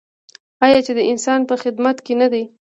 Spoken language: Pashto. آیا چې د انسان په خدمت کې نه دی؟